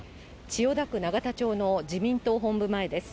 千代田区永田町の自民党本部前です。